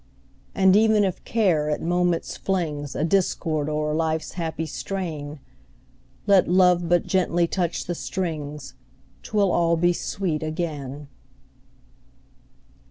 And even if Care at moments flings A discord o'er life's happy strain, Let Love but gently touch the strings, 'Twill all be sweet again!